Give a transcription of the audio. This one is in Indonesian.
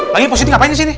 laginya posisi apaan di sini